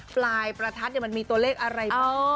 ปลายประทัดมันมีตัวเลขอะไรบ้าง